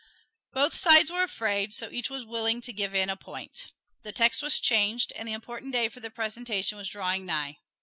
Both sides were afraid, so each was willing to give in a point. The text was changed, and the important day for the presentation was drawing nigh.